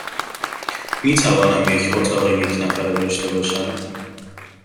می توانم یک اتاق یک نفره داشته باشم؟